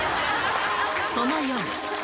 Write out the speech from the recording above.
その夜。